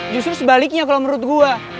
justru sebaliknya kalau menurut gue